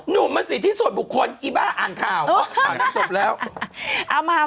หนุ่มมันสิที่ส่วนบุคคลอิบาอ่างข่าว